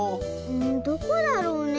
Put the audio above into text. どこだろうね？